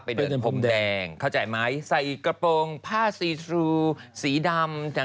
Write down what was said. เดินพรมแดงเข้าใจไหมใส่กระโปรงผ้าซีทรูสีดำจาก